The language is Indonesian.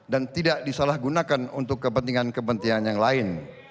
dan tidak disalahgunakan untuk kepentingan kepentingan yang lain